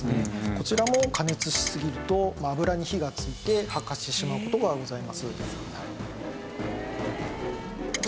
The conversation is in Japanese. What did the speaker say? こちらを加熱しすぎると油に火がついて発火してしまう事がございます。